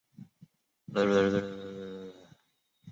本站舍的面向的南面曾经设有西日本铁道的折尾停留场。